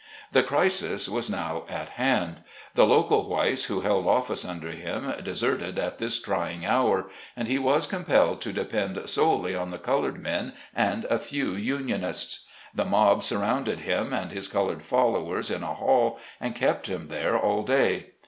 The crisis was now at hand. The local whites who held office under him deserted at this trying hour, and he was compelled to depend solely on the col ored men and a few unionists. The mob surrounded him and his colored followers in a hall and kept them there all day.